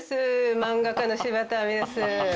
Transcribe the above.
漫画家の柴田亜美です。